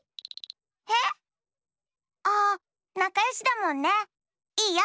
へえっ？あっなかよしだもんね。いいよ。